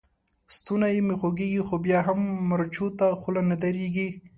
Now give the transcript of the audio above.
ستونی مې خوږېږي؛ خو بيا مې هم مرچو ته خوله نه درېږي.